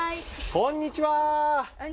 こんにちは！